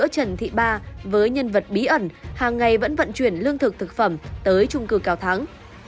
trần thị ba với nhân vật bí ẩn hàng ngày vẫn vận chuyển lương thực thực phẩm tới trung cư cao thắng